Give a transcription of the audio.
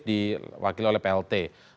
diwakili oleh plt